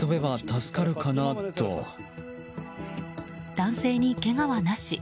男性に、けがはなし。